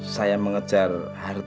saya mengejar hartono itu